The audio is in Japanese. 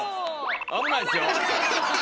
危ないですよ。